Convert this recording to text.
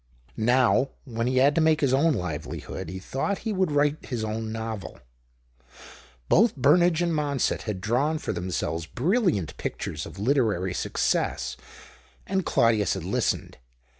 Now, when he had to make his own livelihood, he thought he would write his own novel. Both Burn age and Monsett had drawn for themselves brilliant pictures of literary success, 86 'JlIE OCTAVE OF CLAUDIUS. and Claudius had listened.